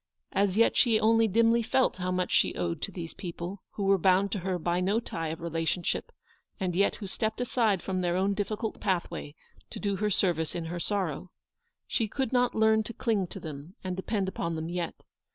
As yet she only dimly felt how much she owed to these people, who were bound to her by no tie of re lationship, and who yet stepped aside from their own difficult pathway to do her service in her LOOKING TO THE FUTURE. 189 sorrow. She could not learn to cling to them, and depend upon them yet.